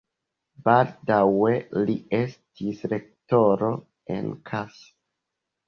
Baldaŭe li estis rektoro en Kassa.